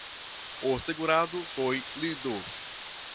O segurado foi lido